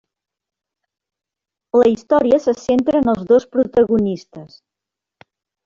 La història se centra en els dos protagonistes.